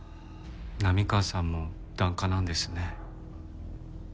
波川さんも檀家なんですね。